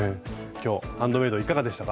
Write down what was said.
今日「ハンドメイド」いかがでしたか？